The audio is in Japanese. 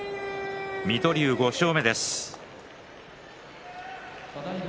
水戸龍５勝目です。